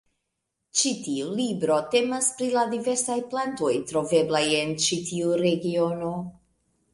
Ĉi tiu libro temas pri la diversaj plantoj troveblaj en ĉi tiu regiono.